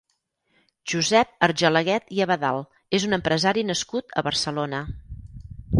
Josep Argelaguet i Abadal és un empresari nascut a Barcelona.